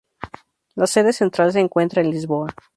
La sede central se encuentra en Lisboa.